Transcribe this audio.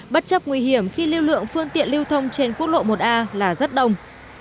bất chấp nguy hiểm khi lưu lượng phương tiện lưu thông trên quốc lộ một a là rất đông